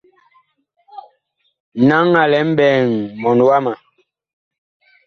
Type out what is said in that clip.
Naŋ a lɛ mɓɛɛŋ mɔɔn wama.